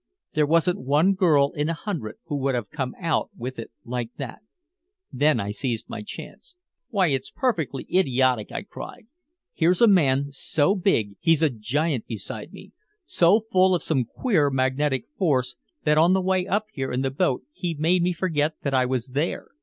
There wasn't one girl in a hundred who would have come out with it like that. Then I seized my chance. "Why, it's perfectly idiotic," I cried. "Here's a man so big he's a giant beside me, so full of some queer magnetic force that on the way up here in the boat he made me forget that I was there.